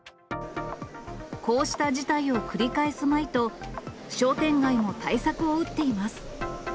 こうした事態を繰り返すまいと、商店街も対策を打っています。